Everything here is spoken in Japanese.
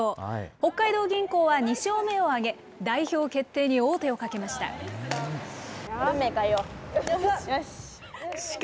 北海道銀行は２勝目を挙げ、代表決定に王手をかけました。